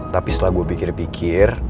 tapi setelah gue pikir pikir